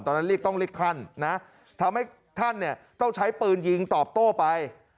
เรียกต้องเรียกท่านนะทำให้ท่านเนี่ยต้องใช้ปืนยิงตอบโต้ไป